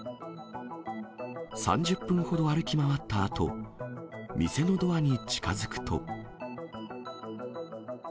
３０分ほど歩き回ったあと、店のドアに近づくと。